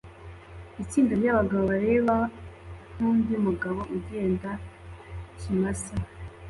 Itsinda ryabagabo bareba nkundi mugabo ugenda ikimasa